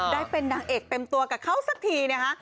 ได้เป็นนางเอกเต็มตัวกับเขาสักทีนะคะ